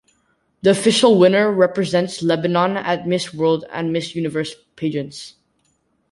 The official winner represents Lebanon at the Miss World and Miss Universe pageants.